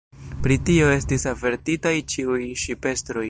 Pri tio estis avertitaj ĉiuj ŝipestroj.